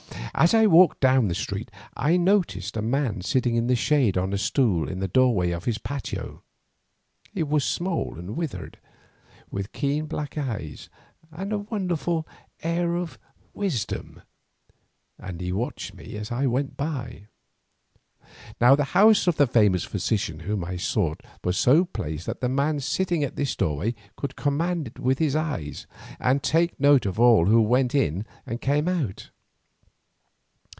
As I walked down this street I noticed a man sitting in the shade on a stool in the doorway of his patio. He was small and withered, with keen black eyes and a wonderful air of wisdom, and he watched me as I went by. Now the house of the famous physician whom I sought was so placed that the man sitting at this doorway could command it with his eyes and take note of all who went in and came out.